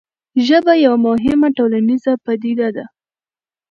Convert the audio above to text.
ژبه یوه مهمه ټولنیزه پدیده ده.